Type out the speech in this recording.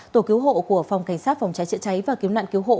tổ cứu hộ của phòng cảnh sát phòng trái trịa cháy và cứu nạn cứu hộ